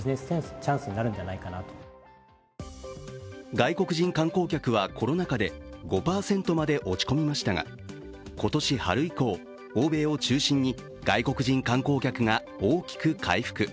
外国人観光客はコロナ禍で５％まで落ち込みましたが今年春以降、欧米を中心に外国人観光客が大きく回復。